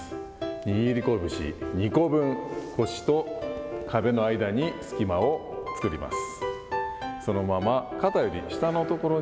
握りこぶし２個分と、腰と壁の間に隙間を作ります。